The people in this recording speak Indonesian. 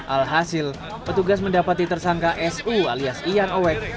alhasil petugas mendapati tersangka su alias ian owek